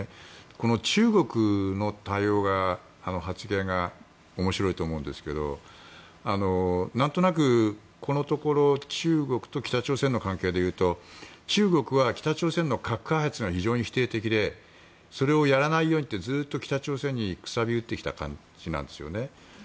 この中国の対応が、発言が面白いと思うんですがなんとなく、このところ中国と北朝鮮の関係でいうと中国は北朝鮮の核開発には非常に否定的でそれをやらないようにとずっと北朝鮮に楔を打ってきた感じなんですよね。